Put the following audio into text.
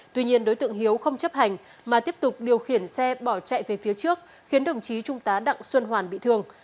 tuy nhiên đối tượng hiếu không chấp hành mà tiếp tục điều khiển xe bỏ chạy về phía trước khiến đồng chí trung tá đặng xuân hoàn bị thương